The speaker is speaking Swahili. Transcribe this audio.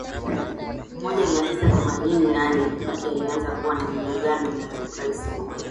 moja mia tisa themanini na nane Kibaki alianza kuwa na mgongano na Rais Moi